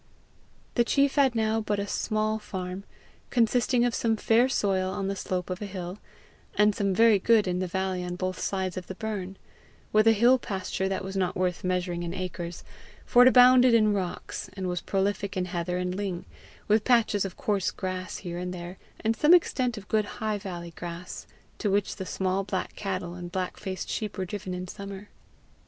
The chief had now but a small farm, consisting of some fair soil on the slope of a hill, and some very good in the valley on both sides of the burn; with a hill pasture that was not worth measuring in acres, for it abounded in rocks, and was prolific in heather and ling, with patches of coarse grass here and there, and some extent of good high valley grass, to which the small black cattle and black faced sheep were driven in summer.